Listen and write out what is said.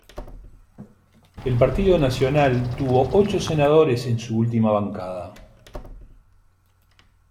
El Partido Nacional tuvo ocho senadores en su última bancada.